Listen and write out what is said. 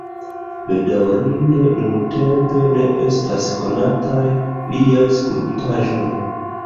Bedaŭrinde nuntempe ne estas konataj liaj skulptaĵoj.